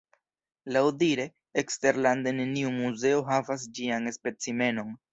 Laŭdire, eksterlande neniu muzeo havas ĝian specimenon.